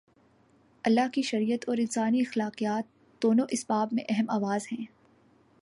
اللہ کی شریعت اور انسانی اخلاقیات، دونوں اس باب میں ہم آواز ہیں۔